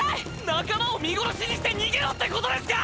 仲間を見殺しにして逃げろってことですか